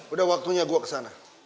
udah waktunya gue kesana